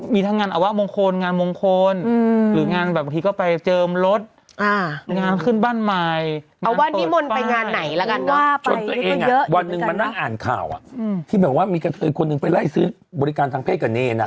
มานั่งอ่านข่าวอ่ะอืมที่แบบว่ามีกันเคยคนหนึ่งไปไล่ซื้อบริการทางเพศกันเน่น่ะ